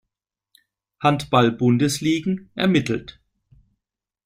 Handball-Bundesligen ermittelt.